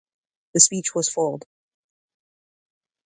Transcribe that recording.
The speech was foiled.